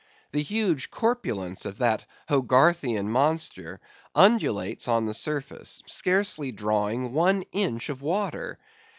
The huge corpulence of that Hogarthian monster undulates on the surface, scarcely drawing one inch of water.